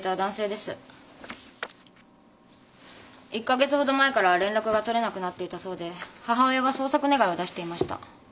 １か月ほど前から連絡がとれなくなっていたそうで母親が捜索願を出していました。